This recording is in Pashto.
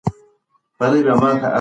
زما خور له مېوو څخه خوندور مربا جوړوي.